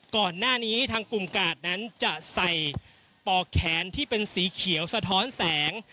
ก่อนหน้านี้ทางกลุ่มกาดนั้นจะใส่ปอกแขนที่เป็นสีเขียวสะท้อนแสง